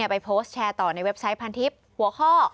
ไปโพสต์แชร์ต่อในเว็บไซต์พันทิพย์หัวข้อ